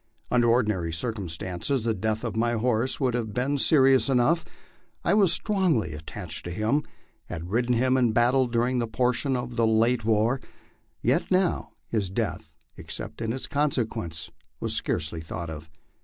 Under ordinary circumstances the death of my horse would have been serious enough. I was strongly attached to him ; had ridden him in battle during a portion of the late war ; yet now his death, except in its consequences, was scarcely thought of.